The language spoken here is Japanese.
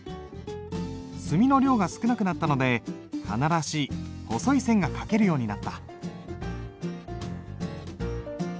墨の量が少なくなったので仮名らしい細い線が書けるようになった。